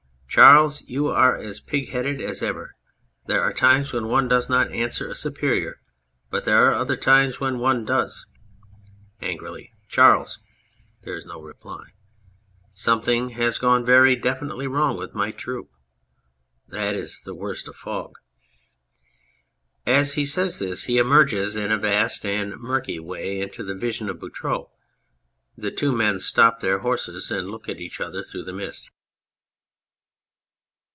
... Charles, you are as pig headed as ever ! There are times when one does not answer a superior, but there are other times when one does. (Angrily.) Charles ! (There is no reply.) Something has gone very definitely wrong with my troop ! That is the worst of fog. (As he says this he emerges in a vast and murky way into the vision of Boutroux. The two men stop their horses and look at each other through the mist.)